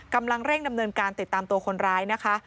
กำลังเร่งดำเนินการติดตามตัวคนร้ายนะคะ